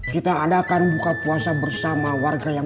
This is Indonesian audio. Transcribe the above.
kita ada akan buka puasa bersama warga yang